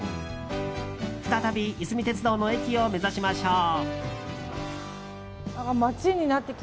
再び、いすみ鉄道の駅を目指しましょう。